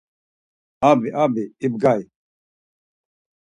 Abi abi ibgay!